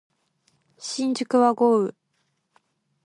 新宿は豪雨